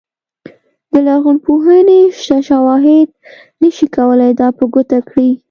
د لرغونپوهنې شته شواهد نه شي کولای دا په ګوته کړي.